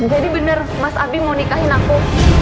jadi bener mas abi mau nikahin aku